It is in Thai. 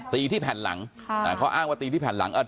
ตีที่แผ่นหลังเขาอ้างว่าตีที่แผ่นหลัง